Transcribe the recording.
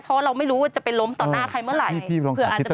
เพราะว่าเราไม่รู้ว่าจะไปล้มต่อหน้าใครเมื่อไหร่